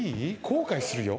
後悔するよ？